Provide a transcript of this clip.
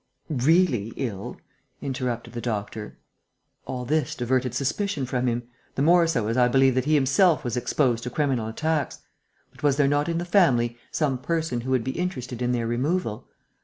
"Really ill," interrupted the doctor. "All this diverted suspicion from him ... the more so as I believe that he himself was exposed to criminal attacks. But was there not in the family some person who would be interested in their removal?